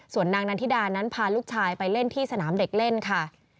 ส่วนนางนันทิดานั้นพาลูกชายไปเล่นที่สนามเด็กเล่นค่ะ